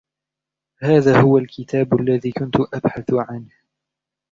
هذا هو الكتاب الذي كنت أبحث عنه